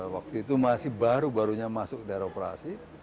waktu itu masih baru barunya masuk daerah operasi